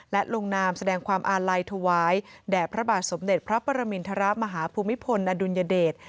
และลงนามแสดงความอาลัยถวายแด่พระบาทสมเด็จพระปรมินทรมาฮภูมิพลอดุลยเดช